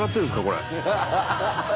これ。